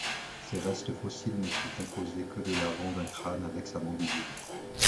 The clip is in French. Ses restes fossiles ne sont composés que de l'avant d'un crâne avec sa mandibule.